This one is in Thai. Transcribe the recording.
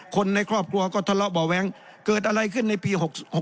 คนในครอบครัวก็ทะเลาะเบาะแว้งเกิดอะไรขึ้นในปี๖๖